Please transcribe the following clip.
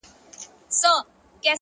مثبت ذهن پر امکاناتو تمرکز کوي!